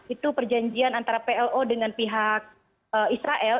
itu perjanjian antara plo dengan pihak israel